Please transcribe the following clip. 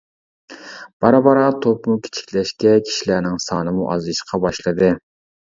بارا-بارا توپمۇ كىچىكلەشكە، كىشىلەرنىڭ سانىمۇ ئازىيىشقا باشلىدى.